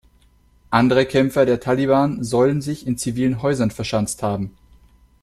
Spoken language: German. Andere Kämpfer der Taliban sollen sich in zivilen Häusern verschanzt haben.